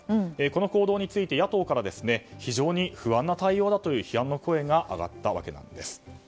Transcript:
この行動について野党から非常に不安な対応だと批判の声が上がったわけなんです。